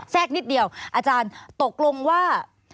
นิดเดียวอาจารย์ตกลงว่า